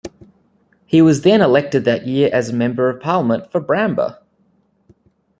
He was then elected that year as Member of Parliament for Bramber.